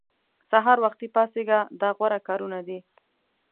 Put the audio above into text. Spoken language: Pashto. سهار وختي پاڅېږه دا غوره کارونه دي.